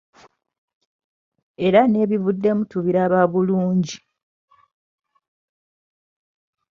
Era n’ebivuddemu tubiraba bulungi.